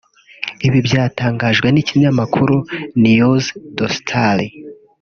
Ibi byatangajwe n’ikinyamakuru news de star